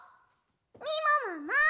みももも！